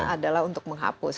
adalah untuk menghapus